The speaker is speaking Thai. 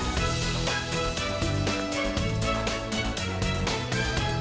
สวัสดีค่ะ